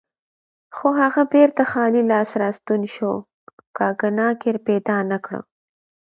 خو هغه بیرته خالي لاس راستون شو، کاګناک یې پیدا نه کړ.